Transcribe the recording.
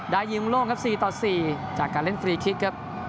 ยิงโล่งครับ๔ต่อ๔จากการเล่นฟรีคลิกครับ